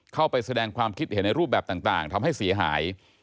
เข้าไปแสดงความคิดเห็นในรูปแบบต่างทำให้เสียหาย